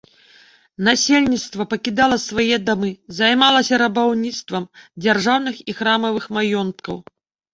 Насельніцтва пакідала свае дамы, займалася рабаўніцтвам дзяржаўных і храмавых маёнткаў.